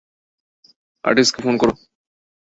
অর্টিজকে phone করো।